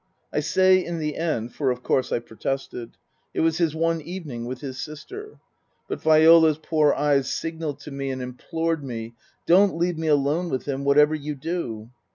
I say in the end for of course I protested. It was his one evening with his sister. But Viola's poor eyes signalled to me and implored me :" Don't leave me alone with him, whatever you do."